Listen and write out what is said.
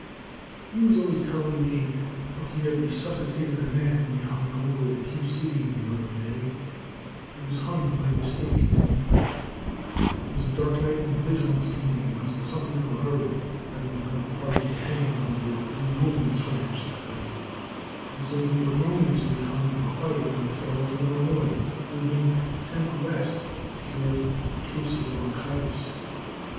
"He was always telling me how he had resuscitated a man they hung over at T City in the early day. He was hung by mistake, it seemed. It was a dark night and the Vigilance committee was in something of a hurry, having another party to hang over at Dirty Woman's ranch that night, and so they erroneously hung a quiet young feller from Illinois, who had been sent west to cure a case of bronchitis.